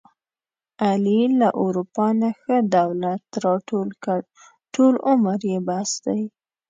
علي له اروپا نه ښه دولت راټول کړ، ټول عمر یې بس دی.